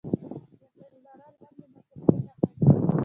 جهل لرل هم د ناپوهۍ نښه ده.